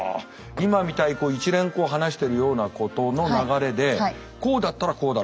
今みたいに一連こう話してるようなことの流れで「こうだったらこうだろ」